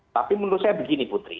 tapi menurut saya begini putri